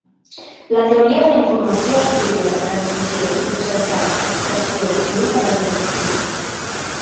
La teoria de la informació estudia la transmissió, processat, extracció i ús de la informació.